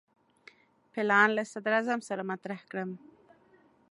پلان له صدراعظم سره مطرح کړم.